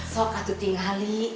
sok atuh tingali